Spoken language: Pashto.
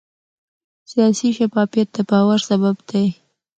سیاسي شفافیت د باور سبب دی